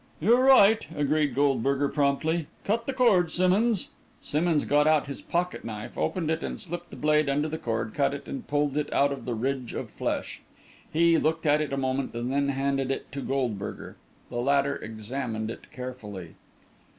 "You're right," agreed Goldberger, promptly. "Cut the cord, Simmonds." Simmonds got out his pocket knife, opened it and slipped the blade under the cord, cut it, and pulled it out of the ridge of flesh. He looked at it a moment, and then handed it to Goldberger. The latter examined it carefully.